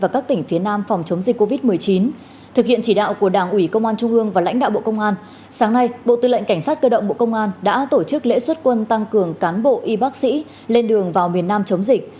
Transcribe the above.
cảnh sát cơ động bộ công an đã tổ chức lễ xuất quân tăng cường cán bộ y bác sĩ lên đường vào miền nam chống dịch